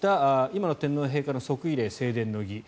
今の天皇陛下の即位礼正殿の儀。